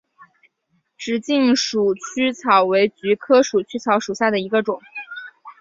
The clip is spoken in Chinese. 直茎鼠曲草为菊科鼠曲草属下的一个种。